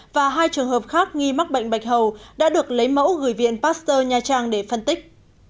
và hai trường hợp khác nghi mắc bệnh bạch hầu đã được lấy mẫu gửi viện pasteur nha trang để phân tích